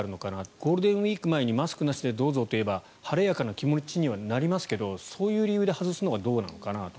ゴールデンウィーク前にマスクなしでどうぞと言えば晴れやかな気持ちにはなりますがそういう理由で外すのはどうなのかなと。